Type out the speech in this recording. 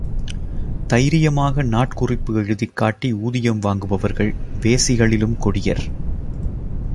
தைரியமாக நாட்குறிப்பு எழுதிக் காட்டி ஊதியம் வாங்குபவர்கள் வேசிகளிலும் கொடியர்.